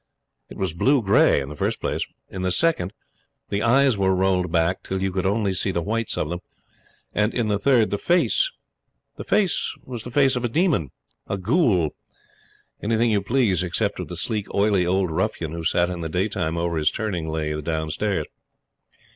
It was blue gray in the first place. In the second, the eyes were rolled back till you could only see the whites of them; and, in the third, the face was the face of a demon a ghoul anything you please except of the sleek, oily old ruffian who sat in the day time over his turning lathe downstairs.